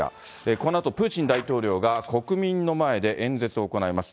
このあとプーチン大統領が国民の前で演説を行います。